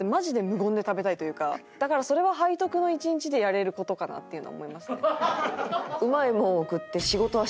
だからそれは背徳の１日でやれる事かなっていうのは思いますね。